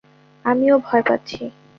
আমিও ভয় পাচ্ছি।